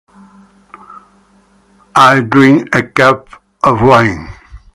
I drink a cup of wine.